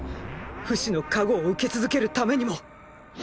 フシの加護を受け続けるためにも！